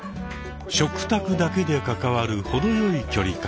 食卓だけで関わる程よい距離感。